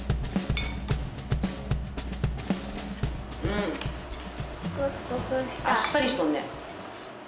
うんあっさりしとるね。